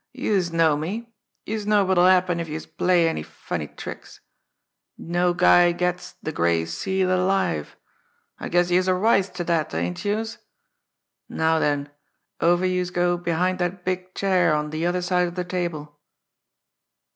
"Youse know me! Youse know what'll happen if youse play any funny tricks! No guy gets de Gray Seal alive I guess youse are wise ter dat, ain't youse? Now den, over youse go behind dat big chair on de other side of de table!"